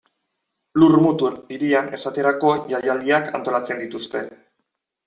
Lurmutur Hirian, esaterako, jaialdiak antolatzen dituzte.